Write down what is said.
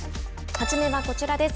初めはこちらです。